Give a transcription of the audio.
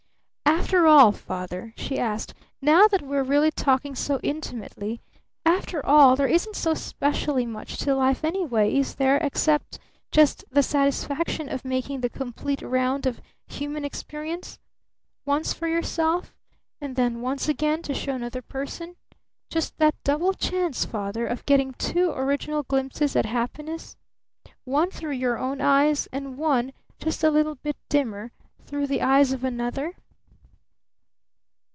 "After all, Father," she asked, "now that we're really talking so intimately, after all there isn't so specially much to life anyway, is there, except just the satisfaction of making the complete round of human experience once for yourself and then once again to show another person? Just that double chance, Father, of getting two original glimpses at happiness? One through your own eyes, and one just a little bit dimmer through the eyes of another?"